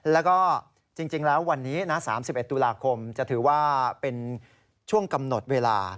แล้วก็จริงแล้ววันนี้นะ๓๑ตุลาคมจะถือว่าเป็นช่วงกำหนดเวลา